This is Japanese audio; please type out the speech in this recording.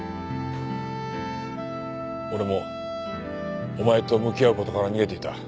俺もお前と向き合う事から逃げていた。